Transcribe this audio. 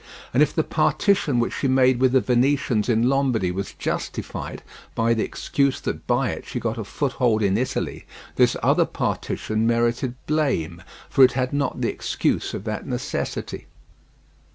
And if the partition which she made with the Venetians in Lombardy was justified by the excuse that by it she got a foothold in Italy, this other partition merited blame, for it had not the excuse of that necessity.